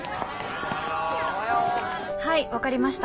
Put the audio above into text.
はい分かりました。